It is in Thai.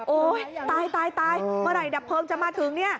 ตายตายเมื่อไหร่ดับเพลิงจะมาถึงเนี่ย